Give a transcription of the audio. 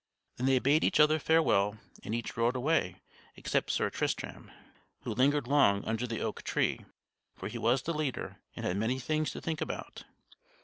Then they bade each other farewell, and each rode away, except Sir Tristram, who lingered long under the oak tree; for he was the leader, and had many things to think about.